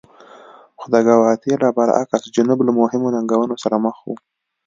خو د ګواتیلا برعکس جنوب له مهمو ننګونو سره مخ و.